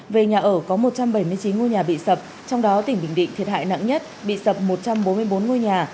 về nhà ở có một trăm bảy mươi chín ngôi nhà bị sập trong đó tỉnh bình định thiệt hại nặng nhất bị sập một trăm bốn mươi bốn ngôi nhà